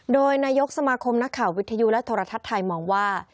โดยนายกสมาคมนักข่าววิทยุและโทรทัศน์ไทยมองว่า